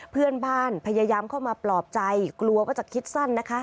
เพื่อนบ้านพยายามเข้ามาปลอบใจกลัวว่าจะคิดสั้นนะคะ